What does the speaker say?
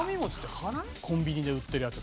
コンビニで売ってるやつ。